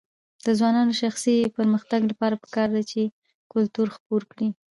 د ځوانانو د شخصي پرمختګ لپاره پکار ده چې کلتور خپور کړي.